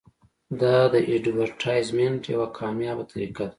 دا د اډورټایزمنټ یوه کامیابه طریقه ده.